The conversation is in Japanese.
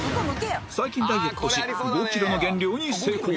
最近ダイエットし５キロの減量に成功